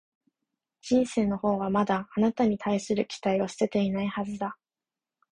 人生のほうはまだ、あなたに対する期待を捨てていないはずだ